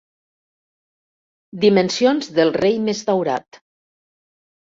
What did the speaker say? Dimensions del rei més daurat.